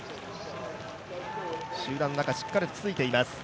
集団の中、しっかりとついています